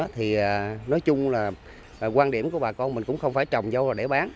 thì nói chung là quan điểm của bà con mình cũng không phải trồng dâu là để bán